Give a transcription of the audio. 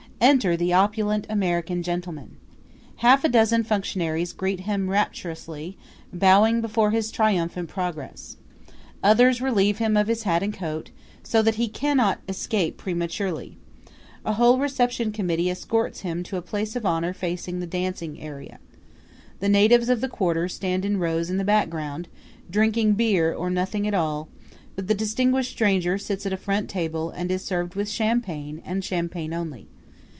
Enter the opulent American gentleman. Half a dozen functionaries greet him rapturously, bowing before his triumphant progress. Others relieve him of his hat and his coat, so that he cannot escape prematurely. A whole reception committee escorts him to a place of honor facing the dancing arena. The natives of the quarter stand in rows in the background, drinking beer or nothing at all; but the distinguished stranger sits at a front table and is served with champagne, and champagne only.